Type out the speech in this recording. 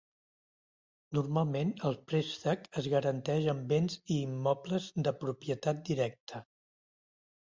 Normalment el préstec es garanteix amb béns i immobles de propietat directa.